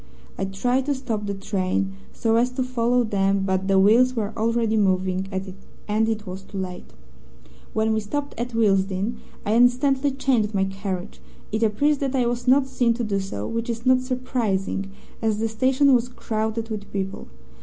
I tried to stop the train so as to follow them, but the wheels were already moving, and it was too late. "When we stopped at Willesden, I instantly changed my carriage. It appears that I was not seen to do so, which is not surprising, as the station was crowded with people.